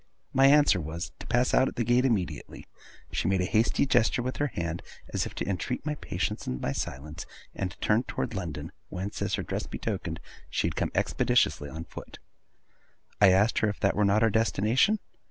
My answer was, to pass out at the gate immediately. She made a hasty gesture with her hand, as if to entreat my patience and my silence, and turned towards London, whence, as her dress betokened, she had come expeditiously on foot. I asked her if that were not our destination?